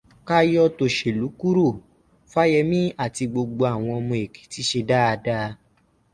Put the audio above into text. Ká yọ tòṣèlú kúrò, Fáyẹmí àti gbogbo àwọn ọmọ Ekiti ṣe dáadáa